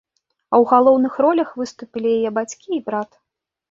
А ў галоўных ролях выступілі яе бацькі і брат.